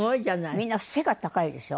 みんな背が高いでしょ。